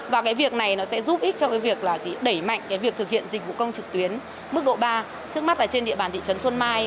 và cái việc này nó sẽ giúp ích cho cái việc là đẩy mạnh cái việc thực hiện dịch vụ công trực tuyến mức độ ba trước mắt là trên địa bàn thị trấn xuân mai